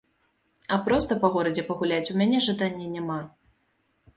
А проста па горадзе пагуляць у мяне жадання няма.